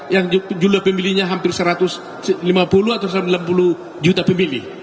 yang jumlah pemilihnya hampir satu ratus lima puluh atau satu ratus enam puluh juta pemilih